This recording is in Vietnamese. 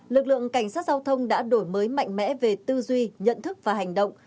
lực lượng cảnh sát giao thông đã đổi mới mạnh mẽ về tư duy nhận thức và hành động